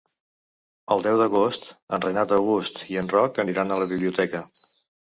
El deu d'agost en Renat August i en Roc aniran a la biblioteca.